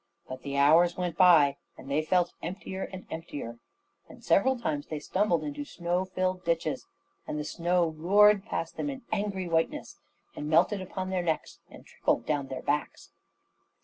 But the hours went by, and they felt emptier and emptier, and several times they stumbled into snow filled ditches; and the snow roared past them in angry whiteness, and melted upon their necks and trickled down their backs.